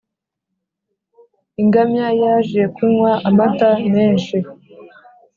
ingamiya yaje kunywa amata menshi